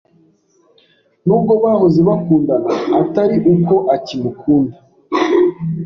n’uwo bahoze bakundana atari uko akimukunda.